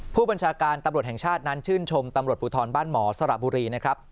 ผู้บัญชาการตำรวจแห่งชาตินั้นชื่นชมตำรวจภูทรบ้านหมอสระบุรีนะครับ